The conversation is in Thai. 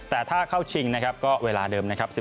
แต่ถ้าเข้าชิงนะครับก็เวลาเดิมนะครับ